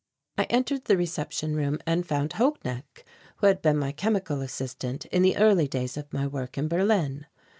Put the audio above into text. I entered the reception room and found Holknecht, who had been my chemical assistant in the early days of my work in Berlin.